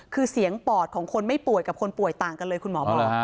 คือเสียงปอดของคนไม่ป่วยกับคนป่วยต่างกันเลยคุณหมอบอก